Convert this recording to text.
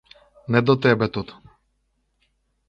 Не до тебе тут!